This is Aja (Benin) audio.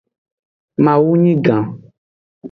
Mawu nyi gan.